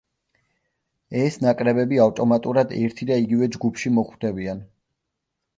ეს ნაკრებები ავტომატურად ერთი და იგივე ჯგუფში მოხვდებიან.